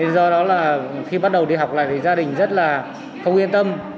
do đó là khi bắt đầu đi học lại thì gia đình rất là không yên tâm